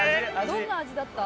「どんな味だった？」